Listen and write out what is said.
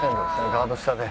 ガード下で。